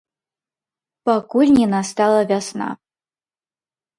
Пакуль не настала вясна.